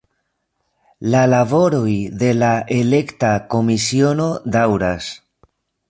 La laboroj de la Elekta Komisiono daŭras.